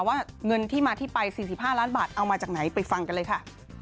ว่าเงินที่มาที่ไป๔๕ล้านบาทเอามาจากไหนไปฟังกันเลยค่ะ